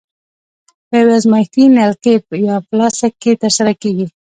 په یوې ازمایښتي نلکې یا فلاسک کې ترسره کیږي.